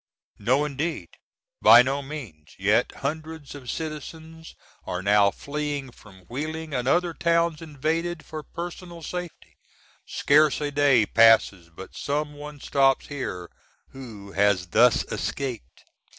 _ No indeed! by no means! yet hundreds of Citizens are now fleeing from Wheeling, & other towns invaded, for personal safety. Scarce a day passes but some one stops here who has thus escaped.